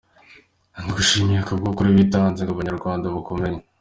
Ndagushimiye kubw, ukuri witanze ngo abanyarwanda bakumenye.